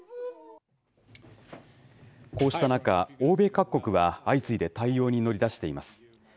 こうした中、欧米各国は相次いで対応に乗り出しています。